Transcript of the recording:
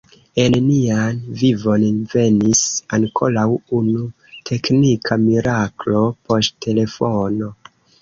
En nian vivon venis ankoraŭ unu teknika miraklo – poŝtelefono.